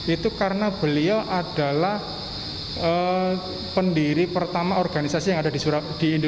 itu karena beliau adalah pendiri pertama organisasi yang ada di indonesia budi utomo tadi